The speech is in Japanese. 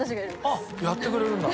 あっやってくれるんだ。